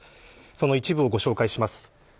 その一部をご紹介します。